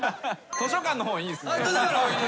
「図書館の本」いいですね。